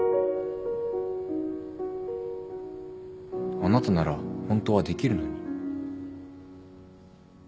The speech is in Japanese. あなたならホントはできるのに。